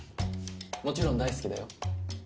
もちろん大好きだよ。